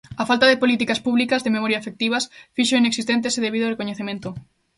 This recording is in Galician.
A falta de políticas públicas de memoria efectivas fixo inexistente ese debido recoñecemento.